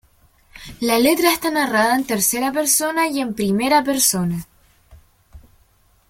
La letra está narrada en tercera persona y en primera persona.